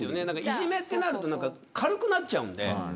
いじめとなると軽くなっちゃうんで。